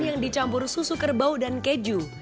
dan yang dicampur susu kerbau dan keju